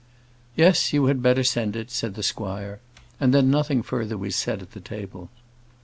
"Yes, you had better send it," said the squire; and then nothing further was said at the table.